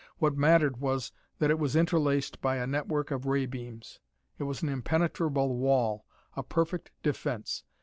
What mattered was that it was interlaced by a network of ray beams. It was an impenetrable wall, a perfect defense.